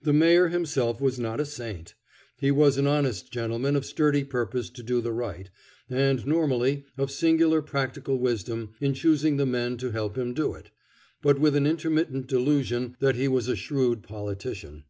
The Mayor himself was not a saint. He was an honest gentleman of sturdy purpose to do the right, and, normally, of singular practical wisdom in choosing the men to help him do it, but with an intermittent delusion that he was a shrewd politician.